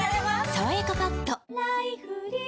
「さわやかパッド」